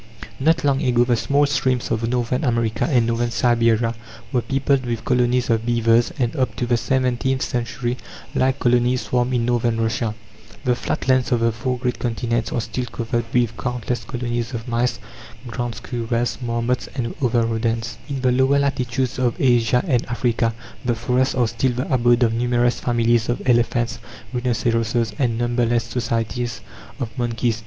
Not long ago the small streams of Northern America and Northern Siberia were peopled with colonies of beavers, and up to the seventeenth century like colonies swarmed in Northern Russia. The flat lands of the four great continents are still covered with countless colonies of mice, ground squirrels, marmots, and other rodents. In the lower latitudes of Asia and Africa the forests are still the abode of numerous families of elephants, rhinoceroses, and numberless societies of monkeys.